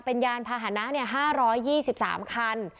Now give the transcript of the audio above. เป็นยานพาหนะ๕๒๓คัน